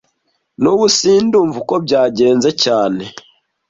Nubu sindumva uko byagenze cyane